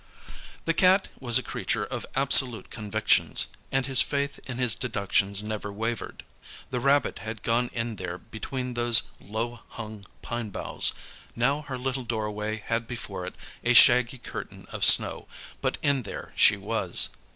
The Cat was a creature of absolute convictions, and his faith in his deductions never wavered. The rabbit had gone in there between those low hung pine boughs. Now her little doorway had before it a shaggy curtain of snow, but in there she was.